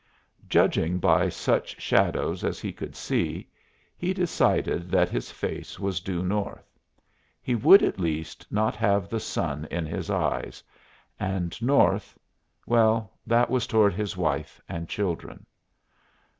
Judging by such shadows as he could see, he decided that his face was due north; he would at least not have the sun in his eyes, and north well, that was toward his wife and children.